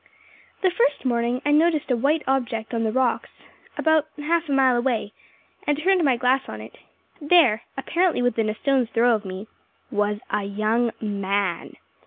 The first morning I noticed a white object on the rocks, about half a mile away, and turned my glass on it. There apparently within a stone's throw of me was a young man.